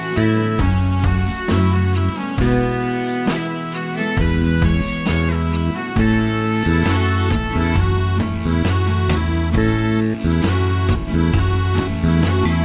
เกมกี้ฟังอินโทรก่อน